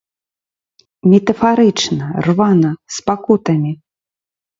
Метафарычна, рвана, з пакутамі.